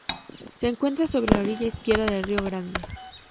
Se encuentra sobre la orilla izquierda del río Grande.